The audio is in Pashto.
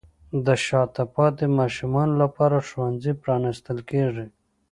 د شاته پاتې ماشومانو لپاره ښوونځي پرانیستل کیږي.